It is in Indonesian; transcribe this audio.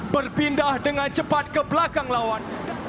berpindah dengan cepat ke belakang lawan